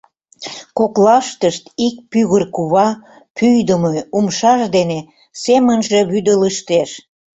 Коклаштышт ик пӱгыр кува пӱйдымӧ умшаж дене семынже вӱдылыштеш: